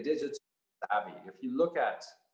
digital savvy jika kita melihat